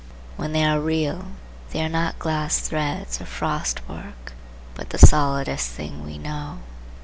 When they are real, they are not glass threads or frostwork, but the solidest thing we know.